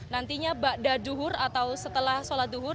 nantinya ba'da duhur atau setelah solat duhur